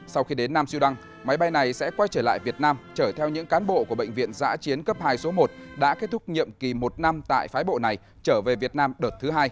sau khi đến nam sudan máy bay này sẽ quay trở lại việt nam trở theo những cán bộ của bệnh viện giã chiến cấp hai số một đã kết thúc nhiệm kỳ một năm tại phái bộ này trở về việt nam đợt thứ hai